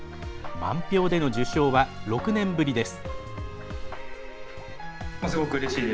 満票での受賞は６年ぶりです。